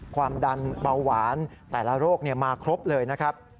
ความดันเบาหวานแต่ละโรคมาครบเลยนะครับ